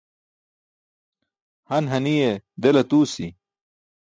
Han haniye del aṭuusi.